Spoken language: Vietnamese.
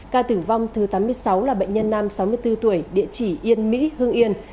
ca tử vong thứ tám mươi sáu là bệnh nhân nam sáu mươi bốn tuổi địa chỉ yên mỹ hương yên